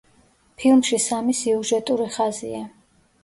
ფილმში სამი სიუჟეტური ხაზია.